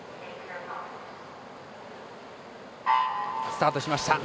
スタートしました。